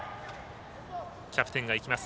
キャプテンがいきます。